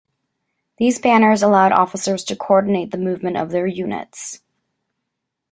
These banners allowed officers to coordinate the movement of their units.